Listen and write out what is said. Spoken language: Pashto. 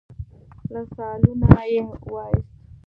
له سالونه يې وايست.